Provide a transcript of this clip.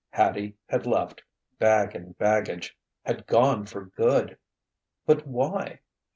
Hattie had left, bag and baggage had gone for good! But why?